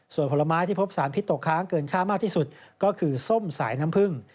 ส่วนผลไม้ที่พบสารพิษตกค้างเกินค่ามากที่สุดก็คือส้มสายน้ำผึ้ง